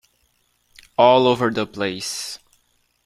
All over the place.